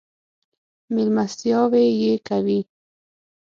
مېلمستیاوې یې کوي.